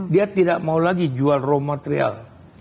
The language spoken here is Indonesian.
dia tidak mau lagi jual raw material